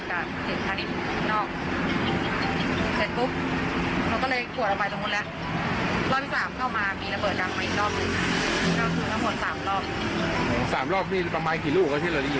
ถ้าประมาณ๖ลูกแล้วประมาณ๔๕ลูก